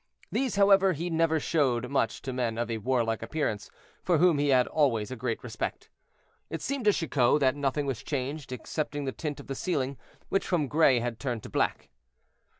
These, however, he never showed much to men of a warlike appearance, for whom he had always a great respect. It seemed to Chicot that nothing was changed excepting the tint of the ceiling, which from gray had turned to black.